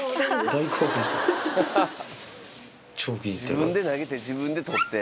自分で投げて自分で取って。